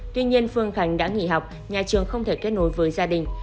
tuy nhiên phương khánh đã nghỉ học nhà trường không thể kết nối với gia đình